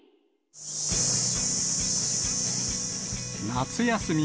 夏休み